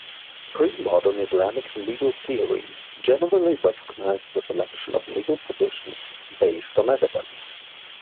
Premodern Islamic legal theories generally recognized the selection of legal positions based on evidence.